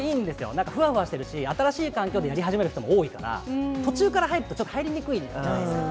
なんかふわふわしてるし、新しい環境でやり始める人も多いから、途中から入るとちょっと入りにくいじゃないですか。